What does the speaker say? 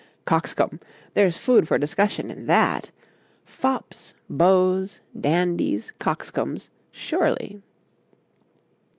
Cockscomb! there's food for discussion in that fops, beaux, dandies, coxcombs surely.